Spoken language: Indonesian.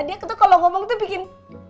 dia tuh kalau ngomong tuh bikin